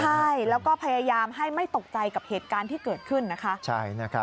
ใช่แล้วก็พยายามให้ไม่ตกใจกับเหตุการณ์ที่เกิดขึ้นนะคะ